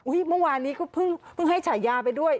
เมื่อวานนี้ก็เพิ่งให้ฉายาไปด้วย